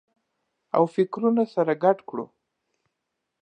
او فکرونه سره ګډ کړو